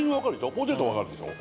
ポテト分かるでしょ